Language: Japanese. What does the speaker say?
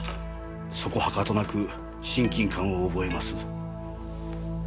そこはかとなく親近感を覚えます。